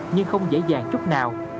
nhưng không dễ dàng chút nào